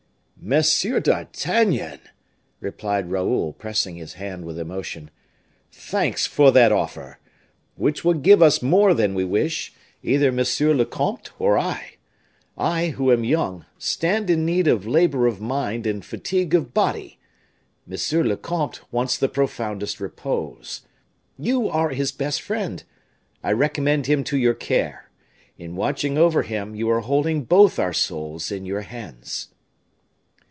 "Monsieur d'Artagnan," replied Raoul, pressing his hand with emotion, "thanks for that offer, which would give us more than we wish, either monsieur le comte or I. I, who am young, stand in need of labor of mind and fatigue of body; monsieur le comte wants the profoundest repose. You are his best friend. I recommend him to your care. In watching over him, you are holding both our souls in your hands."